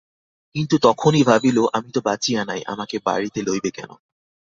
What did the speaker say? কিন্তু তখনই ভাবিল, আমি তো বাঁচিয়া নাই, আমাকে বাড়িতে লইবে কেন।